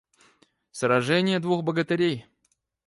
Сраженье двух богатырей!